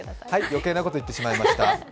余計なこと言ってしまいました。